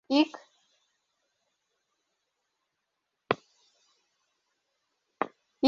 Ик!